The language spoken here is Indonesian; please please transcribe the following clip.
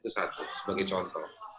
itu satu sebagai contoh